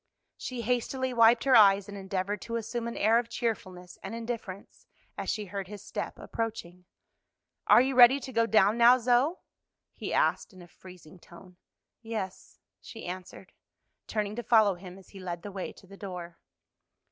She hastily wiped her eyes and endeavored to assume an air of cheerfulness and indifference, as she heard his step approaching. "Are you ready to go down now, Zoe?" he asked in a freezing tone. "Yes," she answered, turning to follow him as he led the way to the door.